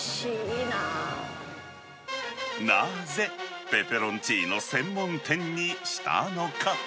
なぜ、ペペロンチーノ専門店にしたのか。